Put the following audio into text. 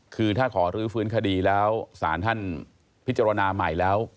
คือถ้าขอรื้อฟื้นคดีแล้วศาลท่านพิจารณาใหม่แล้ว